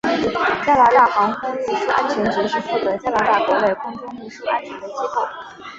加拿大航空运输安全局是负责加拿大国内空中运输安全的机构。